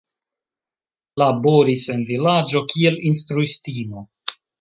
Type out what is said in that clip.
Laboris en vilaĝo kiel instruistino.